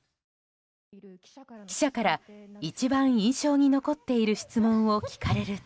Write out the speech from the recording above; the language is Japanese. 記者から一番印象に残っている質問を聞かれると。